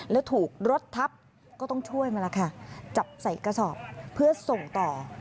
แล้วถูกรถทับก็ต้องช่วยมาแล้วค่ะจับใส่กระสอบเพื่อส่งต่อ